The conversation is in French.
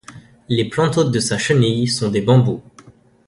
Les plantes hôtes de sa chenille sont des bambous.